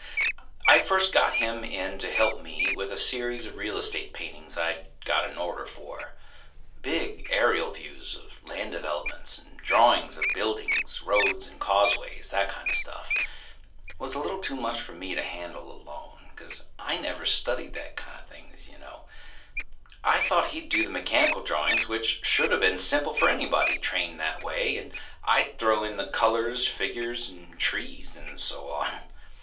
I first got him in to help me with a series of real estate paintings I'd got an order for. Big aerial views of land developments, and drawings of buildings, roads and causeways, that kinda stuff. Was a little too much for me to handle alone, 'cause I never studied that kinda things, ya know. I thought he'd do the mechanical drawings, which shoulda been simple for anybody trained that way, and I'd throw in the colors, figures and trees and so on.